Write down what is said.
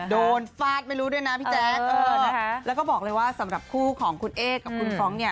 ฟาดไม่รู้ด้วยนะพี่แจ๊คแล้วก็บอกเลยว่าสำหรับคู่ของคุณเอ๊กับคุณฟรองก์เนี่ย